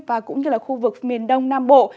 và cũng như là khu vực miền đông nam bộ